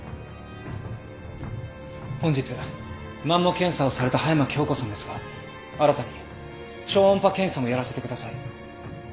本日マンモ検査をされた葉山今日子さんですが新たに超音波検査もやらせてください。